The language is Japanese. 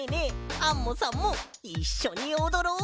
アンモさんもいっしょにおどろう！